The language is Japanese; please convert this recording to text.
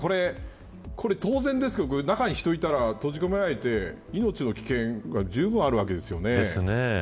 これ当然ですけど中に人がいたら閉じ込められて命の危険がじゅうぶん、あるわけですよね。